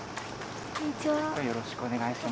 よろしくお願いします。